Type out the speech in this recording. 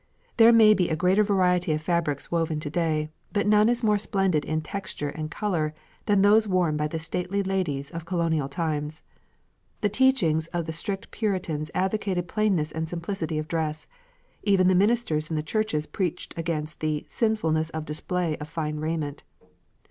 There may be a greater variety of fabrics woven to day, but none is more splendid in texture and colour than those worn by the stately ladies of colonial times. The teachings of the strict Puritans advocated plainness and simplicity of dress; even the ministers in the churches preached against the "sinfulness of display of fine raiment."